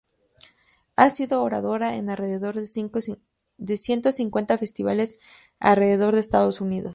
Ha sido oradora en alrededor de ciento cincuenta festivales alrededor de Estados Unidos.